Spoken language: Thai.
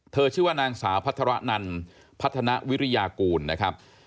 ชื่อว่านางสาวพัฒระนันพัฒนาวิริยากูลนะครับ